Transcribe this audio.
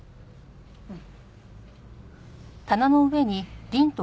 うん。